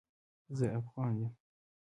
زه افغان يم